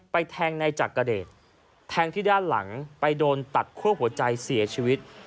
แทงในจักรเดชแทงที่ด้านหลังไปโดนตัดคั่วหัวใจเสียชีวิต